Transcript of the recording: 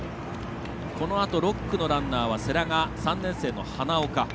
このあと６区のランナーは世羅が３年生の花岡。